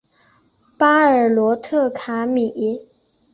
巴尔罗特卡米。